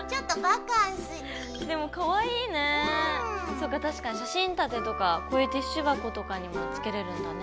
そっか確かに写真立てとかこういうティッシュ箱とかにもつけれるんだね。